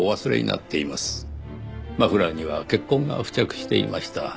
マフラーには血痕が付着していました。